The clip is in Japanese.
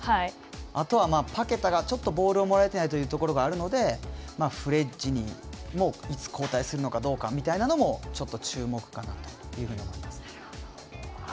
あとは、パケタがちょっとボールをもらえてないというところがあるのでフレッジにいつ交代するのかちょっと注目かなと思います。